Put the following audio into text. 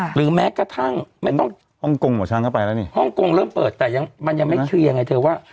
หรือแม้กระทั่งไม่ต้องฮ่องกงหัวช้างก็ไปแล้วนี่ฮ่องกงเริ่มเปิดแต่ยังมันยังไม่เคลียร์ยังไงเธอว่า